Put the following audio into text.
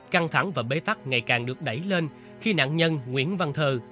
căng thẳng và bế tắc ngày càng được đẩy lên khi nạn nhân nguyễn văn thờ